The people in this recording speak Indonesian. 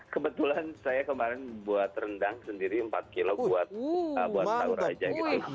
kebetulan saya kemarin buat rendang sendiri empat kilo buat sahur aja gitu